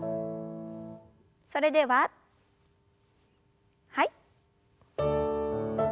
それでははい。